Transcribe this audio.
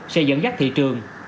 sẽ dẫn dắt thị trường